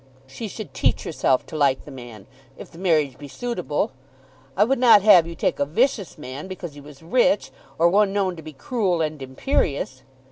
"She should teach herself to like the man, if the marriage be suitable. I would not have you take a vicious man because he was rich, or one known to be cruel and imperious.